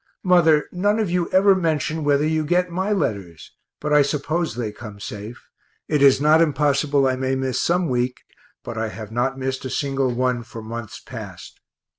Mother, none of you ever mention whether you get my letters, but I suppose they come safe it is not impossible I may miss some week, but I have not missed a single one for months past.